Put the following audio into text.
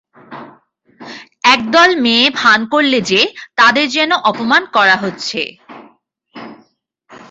একদল মেয়ে ভাণ করলে যে, তাদের যেন অপমান করা হচ্ছে।